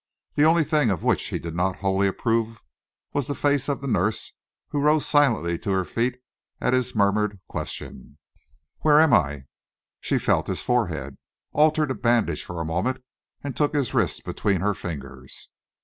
The only thing of which he did not wholly approve was the face of the nurse who rose silently to her feet at his murmured question: "Where am I?" She felt his forehead, altered a bandage for a moment, and took his wrist between her fingers.